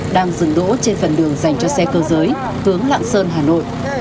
đỗ trên phần đường dành cho xe cơ giới hướng lạng sơn hà nội